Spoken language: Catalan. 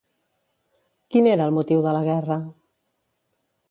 Quin era el motiu de la guerra?